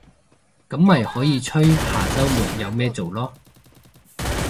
噉咪可以吹下週末有咩做囉